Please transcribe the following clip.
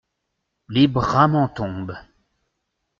Les bras m’en tombent.